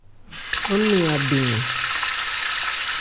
Án nɛn abɛn ɛ ?